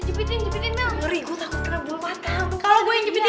ya maksudnya megangnya gemeter gemeter gitu